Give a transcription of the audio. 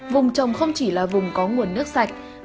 vùng trồng không chỉ là vùng có nguồn nước sạch